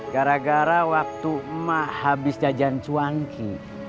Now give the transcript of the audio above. gara gara waktu emak habis jajan cuanki